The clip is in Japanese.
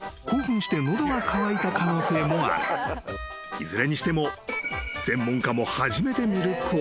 ［いずれにしても］